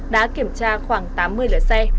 đã kiểm tra khoảng tám mươi lửa xe